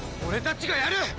俺たちがやる！